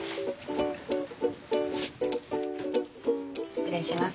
失礼します。